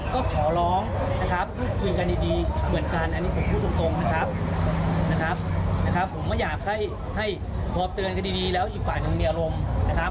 ก็ขอให้พูดคุยกันในทางที่ดีดีกว่านะครับ